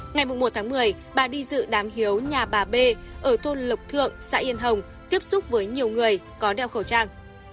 ngày một tháng một mươi bà đi dự đám hiếu nhà bà b ở thôn lộc thượng xã yên hồng tiếp xúc với nhiều người có đeo khẩu trang